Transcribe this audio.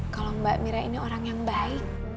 kalau mbak mira ini orang yang baik